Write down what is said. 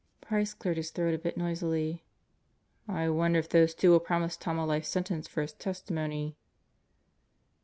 Price cleared his throat a bit noisily. "I wonder if those two will promise Tom a life sentence for his testimony."